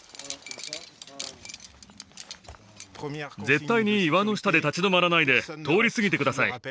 絶対に岩の下で立ち止まらないで通り過ぎて下さい。